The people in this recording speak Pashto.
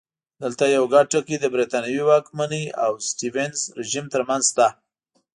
دلته یو ګډ ټکی د برېټانوي واکمنۍ او سټیونز رژیم ترمنځ شته.